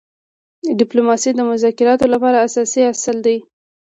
ډيپلوماسي د مذاکراتو لپاره اساسي اصل دی.